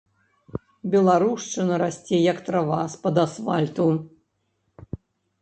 Беларушчына расце як трава з-пад асфальту.